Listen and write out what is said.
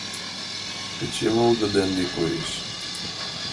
Кече волгыдо ынде коеш.